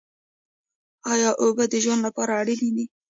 ایا اوبه د ژوند لپاره اړینې دي؟